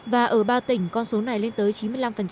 và ở ba tỉnh con số này lên tới chín mươi năm